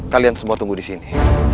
kalian semua tunggu di sini